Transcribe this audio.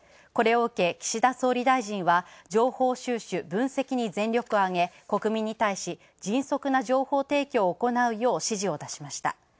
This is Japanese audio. これを受け、岸田総理大臣は「情報収集・分析に全力を挙げ国民に対し、迅速な情報提供を行う」よう指示を出しました。